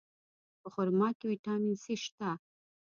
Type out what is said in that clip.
په خرما کې ویټامین C شته.